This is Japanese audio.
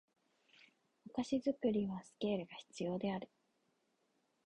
お菓子作りにはスケールが必要である